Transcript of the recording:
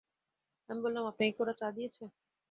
আমি বললাম, আপনাকে কি ওরা চা দিয়েছে?